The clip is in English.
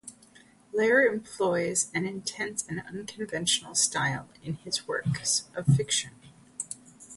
Leyner employs an intense and unconventional style in his works of fiction.